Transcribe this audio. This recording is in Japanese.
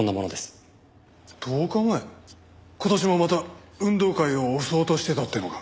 今年もまた運動会を襲おうとしてたってのか？